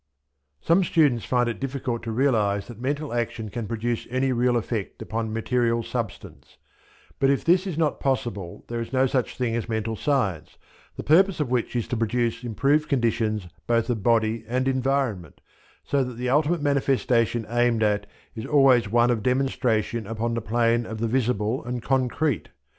Some students find it difficult to realize that mental action can produce any real effect upon material substance; but if this is not possible there is no such thing as Mental Science, the purpose of which is to produce improved conditions both of body and environment, so that the ultimate manifestation aimed at is always one of demonstration upon the plane of the visible and concrete.